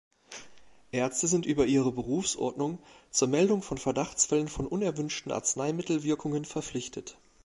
Ärzte sind über ihre Berufsordnung zur Meldung von Verdachtsfällen von unerwünschten Arzneimittelwirkungen verpflichtet.